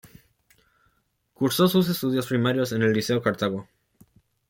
Cursó sus estudios primarios en el Liceo Cartago.